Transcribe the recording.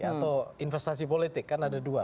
atau investasi politik kan ada dua